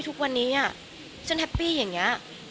ทุกวันนี้ฉันแฮปปี้อย่างนี้